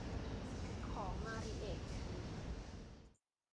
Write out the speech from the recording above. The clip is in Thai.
ของมาริเอะคือ